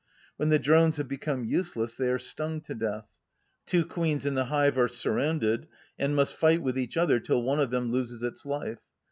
When the drones have become useless they are stung to death. Two queens in the hive are surrounded, and must fight with each other till one of them loses its life.